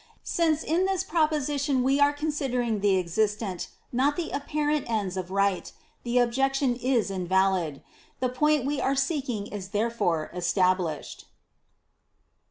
Since in this propo sition we are considering the existent, not the apparent ends of Right, the objection is in valid. The point we are seeking is therefore established.